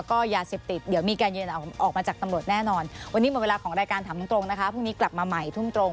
โปรดติดตามตอนต่อไป